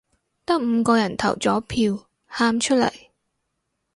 得五個人投咗票，喊出嚟